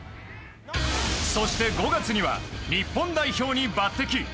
そして、５月には日本代表に抜擢。